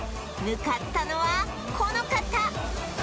向かったのはこの方